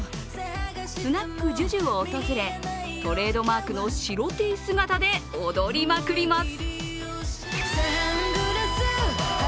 スナックＪＵＪＵを訪れトレードマークの白Ｔ姿で踊りまくります。